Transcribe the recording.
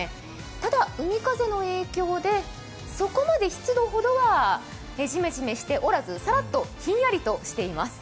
ただ海風の影響でそこまで湿度はじめじめしておらずさらっとひんやりとしています。